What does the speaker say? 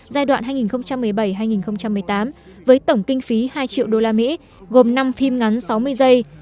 giai đoạn hai nghìn một mươi bảy hai nghìn một mươi tám với tổng kinh phí hai triệu usd gồm năm phim ngắn sáu mươi giây